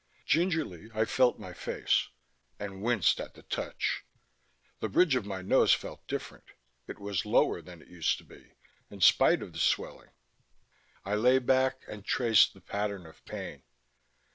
Gingerly I felt my face ... and winced at the touch. The bridge of my nose felt different: it was lower than it used to be, in spite of the swelling. I lay back and traced the pattern of pain.